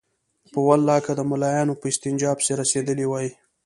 په والله که د ملايانو په استنجا پسې رسېدلي وای.